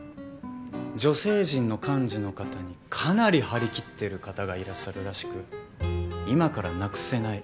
女性陣の幹事の方にかなり張り切ってる方がいらっしゃるらしく今から無くせない。